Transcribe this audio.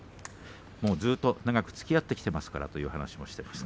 もうずっと長くつきあってきていますからという話をしていました。